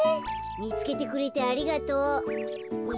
みつけてくれてありがとう。